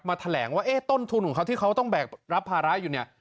แถลงว่าต้นทุนของเขาที่เขาต้องแบกรับภาระอยู่เนี่ย